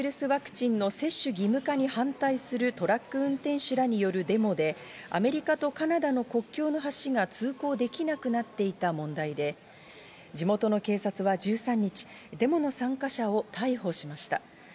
ワクチンの接種義務化に反対するトラック運転手らによるデモで、アメリカとカナダの国境の橋が通行できなくなっていた問題で、地元の警察は１３日、デモの参加者を逮捕しました。